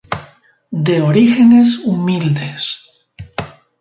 De orígenes humildes.